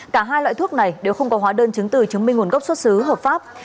cả hai loại thuốc này đều không có hóa đơn chứng từ chứng minh nguồn gốc xuất xứ hợp pháp